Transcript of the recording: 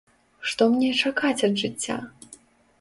Што мне чакаць ад жыцця?